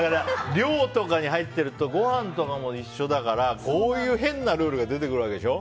寮とかに入ってるとごはんとかも一緒だからこういう変なルールが出てくるわけでしょ。